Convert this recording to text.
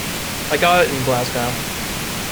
I got it in Glasgow.